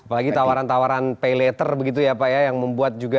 apalagi tawaran tawaran pay letter begitu ya pak ya yang membuat juga